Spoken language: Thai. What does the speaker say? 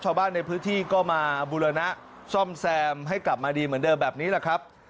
ชาวบ้านในพื้นที่ก็มาบูรณะซ่อมแซมให้กลับมาดีเหมือนเดิมแบบนี้แหละครับ